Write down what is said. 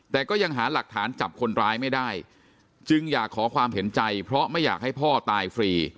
แต่ก็ยังหาหลักฐานจับคนร้ายไม่ได้จึงอยากขอความเห็นใจเพราะไม่อยากให้พ่อตายฟรี